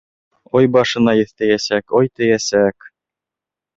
Ой, башына еҫ тейәсәк, ой, тейәсәк.